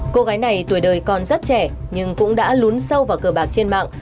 cô gái này tuổi đời còn rất trẻ nhưng cũng đã lún sâu vào cờ bạc trên mạng